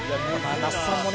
那須さんもね